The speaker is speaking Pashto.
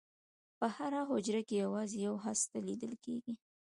په هره حجره کې یوازې یوه هسته لیدل کېږي.